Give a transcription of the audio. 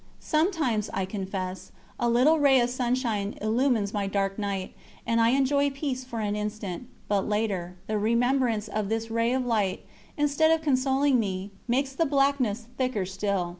Sometimes, I confess, a little ray of sunshine illumines my dark night, and I enjoy peace for an instant, but later, the remembrance of this ray of light, instead of consoling me, makes the blackness thicker still.